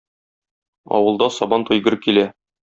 Авылда Сабантуй гөр килә.